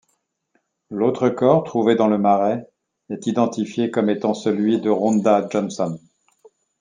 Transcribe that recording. L'autre corps trouvé dans le marais est identifié comme étant celui de Rhonda Johnson.